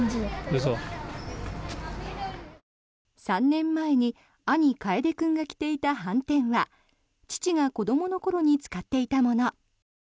３年前に兄・楓君が着ていたはんてんは父が子どもの頃に使っていたもの。